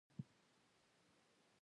د ژبې انعطاف د هغې د بقا راز دی.